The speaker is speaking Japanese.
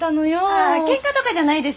ああケンカとかじゃないですよ。